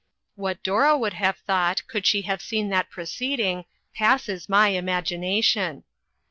What Dora would have thought, could she have seen that proceeding, passes my imagination.